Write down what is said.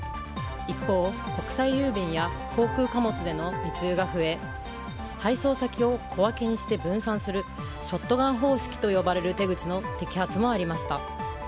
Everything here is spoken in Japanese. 一方、国際郵便や航空貨物での密輸が増え配送先を小分けにして分散するショットガン方式と呼ばれる手口の摘発もありました。